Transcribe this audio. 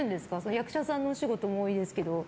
役者さんのお仕事も多いですけど。